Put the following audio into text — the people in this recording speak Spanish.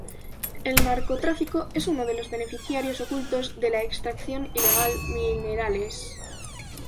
El narcotráfico es uno los beneficiarios ocultos de la extracción ilegal minerales.